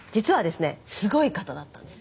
すごい方だったんです。